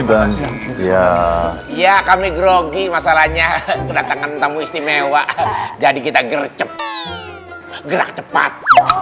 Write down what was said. dan ya ya kami grogi masalahnya kena teman istimewa jadi kita gercep gerak cepat